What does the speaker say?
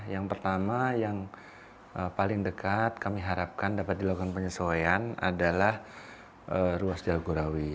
yang pertama yang paling dekat kami harapkan dapat dilakukan penyesuaian adalah ruas jagorawi